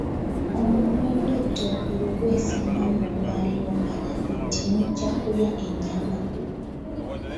Omunwe gw'ettooke bwe gwesimba mu lwaliiro omanya nti mujja kulya ennyama.